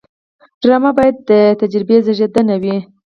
ډرامه باید د تجربې زیږنده وي